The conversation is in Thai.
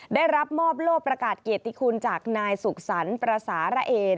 ได้รับมอบโลกประกาศเกียรติคุณจากนายสุขสรรค์ภาษาระเอ